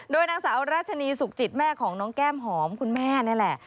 โดยนางสาวราชนีสุขจิตแม่ของน้องแก้มหอมคุณแม่นี่แหละ